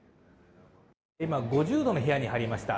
今、５０度の部屋に入りました。